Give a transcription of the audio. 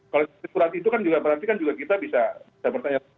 kalau surat itu kan juga berarti kan juga kita bisa bertanya